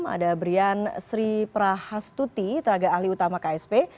ada brian sri prahastuti teraga ahli utama ksp